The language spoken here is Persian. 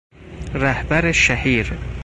رهبر شهیر